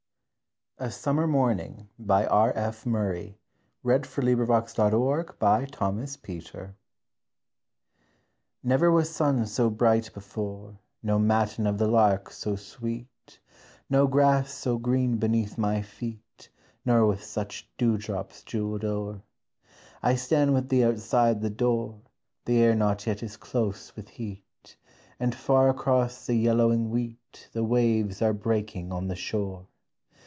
nt desires To countless girls. What will it bring to you? A SUMMER MORNING Never was sun so bright before, No matin of the lark so sweet, No grass so green beneath my feet, Nor with such dewdrops jewelled o'er. I stand with thee outside the door, The air not yet is close with heat, And far across the yellowing wheat The waves are breaking on the shore.